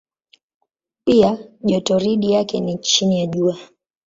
Pia jotoridi yake ni chini ya Jua.